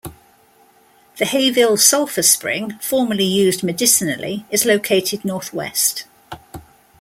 The Hayville Sulphur Spring, formerly used medicinally, is located northwest.